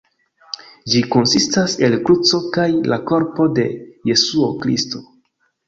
Ĝi konsistas el kruco kaj la korpo de Jesuo Kristo.